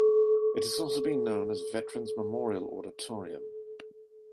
It has also been known as Veterans Memorial Auditorium.